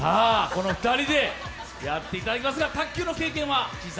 この２人でやっていただきますが卓球の経験は？